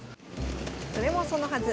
それもそのはず